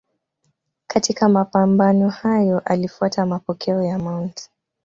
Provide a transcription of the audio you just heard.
Katika mapambano hayo alifuata mapokeo ya Mt.